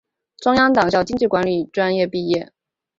中央党校经济管理专业毕业。